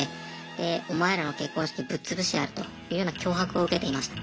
でお前らの結婚式ぶっつぶしてやるというような脅迫を受けていました。